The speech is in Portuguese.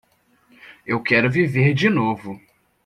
Eu quero viver de novo.